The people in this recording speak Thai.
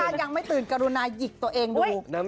ถ้ายังไม่ตื่นกรุณาหยิกตัวเองดู